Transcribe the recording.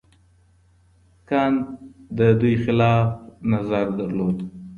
کنت د دوی خلاف نظر درلود.